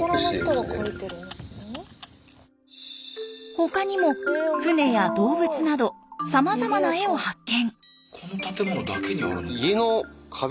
他にも船や動物などさまざまな絵を発見。